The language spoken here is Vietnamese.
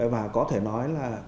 và có thể nói là